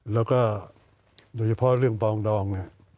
แล้วก็โดยเฉพาะเรื่องปรองดอง